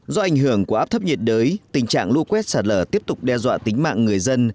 do ảnh hưởng của áp thấp nhiệt đới tình trạng lũ quét sạt lở tiếp tục đe dọa tính mạng người dân